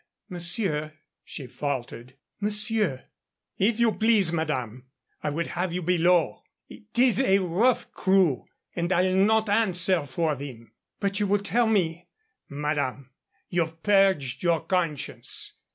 "Monsieur," she faltered "monsieur " "If you please, madame. I would have you below. 'Tis a rough crew, and I'll not answer for them " "But you will tell me " "Madame, you've purged your conscience.